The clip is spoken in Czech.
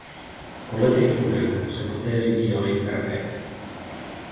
Podle těchto údajů se poté řídí další terapie.